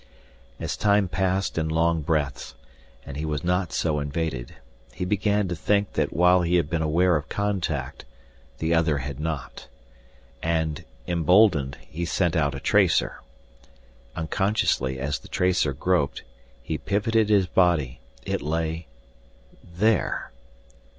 As time passed in long breaths, and he was not so invaded, he began to think that while he had been aware of contact, the other had not. And, emboldened, he sent out a tracer. Unconsciously, as the tracer groped, he pivoted his body. It lay there!